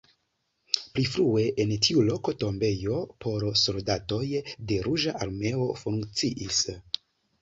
Pli frue en tiu loko tombejo por soldatoj de Ruĝa Armeo funkciis.